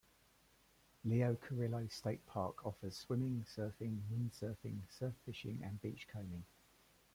Leo Carrillo State Park offers swimming, surfing, windsurfing, surf fishing, and beachcombing.